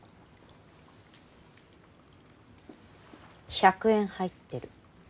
１００円入ってる。